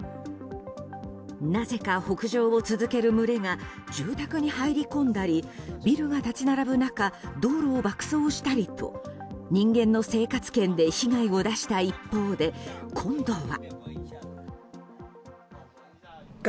なぜか北上を続ける群れが住宅に入り込んだりビルが立ち並ぶ中道路を爆走したりと人間の生活圏で被害を出した一方で、今度は。